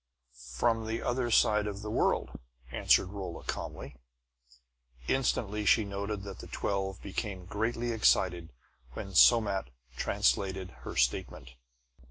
"From the other side of the world," answered Rolla calmly. Instantly she noted that the twelve became greatly excited when Somat translated her statement.